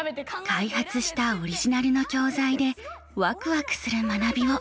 開発したオリジナルの教材でワクワクする学びを。